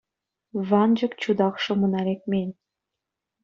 Ванчӑк чутах шӑмӑна лекмен.